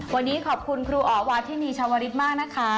วันนี้ขอบคุณครูอ๋อวาทินีชาวริสมากนะคะ